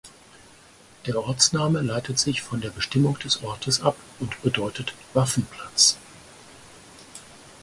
Der Ortsname leitet sich von der Bestimmung des Ortes ab und bedeutet "Waffenplatz".